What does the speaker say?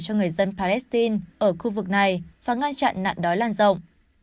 cho người dân palestine ở khu vực này và ngăn chặn nạn đói lan rộng